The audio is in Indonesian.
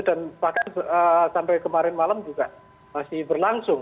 dan bahkan sampai kemarin malam juga masih berlangsung